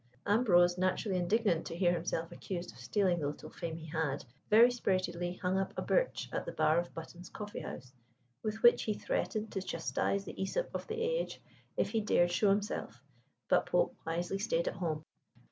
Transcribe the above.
Ambrose, naturally indignant to hear himself accused of stealing the little fame he had, very spiritedly hung up a birch at the bar of Button's Coffee house, with which he threatened to chastise the Æsop of the age if he dared show himself, but Pope wisely stayed at home.